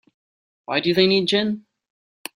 Why do they need gin?